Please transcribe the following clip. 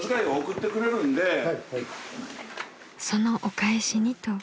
［そのお返しにと］